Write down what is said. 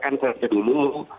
karena kan selama ini dulu